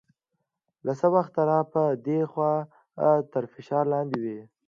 له څه وخته را په دې خوا تر فشار لاندې دی.